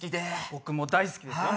僕も大好きですよ